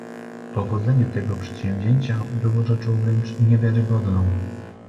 Powodzenie tego przedsięwzięcia było rzeczą wręcz niewiarygodną